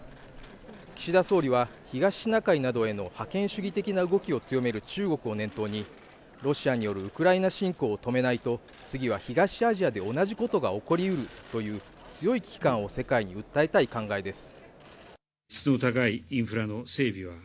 岸田総理は東シナ海などへの覇権主義的な動きを強める中国を念頭にロシアによるウクライナ侵攻を止めないと次は東アジアで同じことが起こりうるという強い危機感を世界に訴えたい考えす。